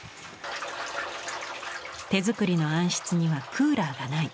手作りの暗室にはクーラーがない。